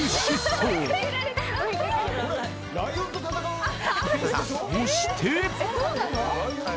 そして。